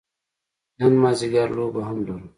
نن مازدیګر لوبه هم لرو.